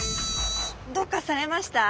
どうかされました？